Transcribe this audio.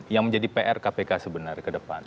yang menjadi pr kpk sebenarnya ke depan